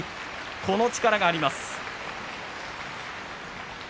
この力があります。